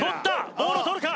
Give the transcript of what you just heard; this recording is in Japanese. ボールを取るか